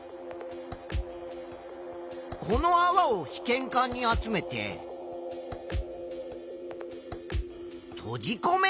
このあわを試験管に集めてとじこめる。